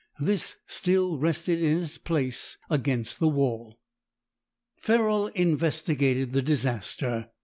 This still rested in its place against the wall. Ferrol investigated the disaster.